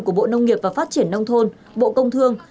của bộ nông nghiệp và phát triển nông thôn bộ công thương